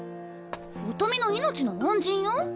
音美の命の恩人よ。